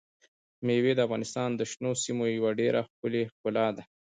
مېوې د افغانستان د شنو سیمو یوه ډېره ښکلې ښکلا ده.